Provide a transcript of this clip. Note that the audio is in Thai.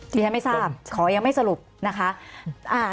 ที่ฉันไม่ทราบขอยังไม่สรุปนะคะ